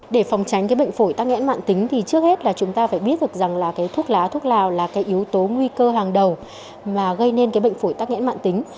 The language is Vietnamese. để phòng tránh cái bệnh phổi tắc nghẽn mạng tính thì trước hết là chúng ta phải biết được rằng là cái thuốc lá thuốc lào là cái yếu tố nguy cơ hàng đầu mà gây nên cái bệnh phổi tắc nghẽn mạng tính